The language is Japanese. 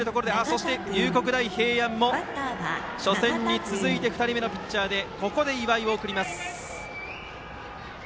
そして龍谷大平安も初戦に続いて２人目のピッチャーでここで岩井を送ります。